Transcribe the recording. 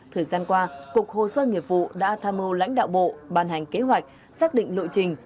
thời gian qua cục hồ sơ nghiệp vụ đã tham mưu lãnh đạo bộ ban hành kế hoạch xác định lộ trình